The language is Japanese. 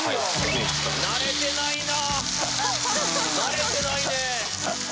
・慣れてないな。